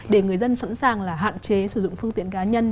để người dân sẵn sàng là hạn chế sử dụng phương tiện cá nhân